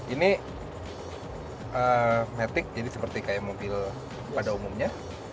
ini matic jadi seperti mobil pada umumnya